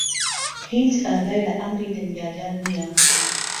هیچ ئاگای له عەمری دنیایه نییه